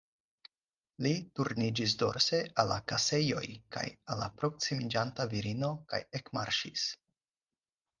Li turniĝis dorse al la kasejoj kaj al la proksimiĝanta virino, kaj ekmarŝis.